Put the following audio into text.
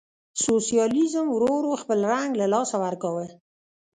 سوسیالیزم ورو ورو خپل رنګ له لاسه ورکاوه.